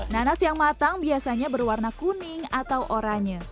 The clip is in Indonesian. nanas yang matang biasanya berwarna kuning atau oranye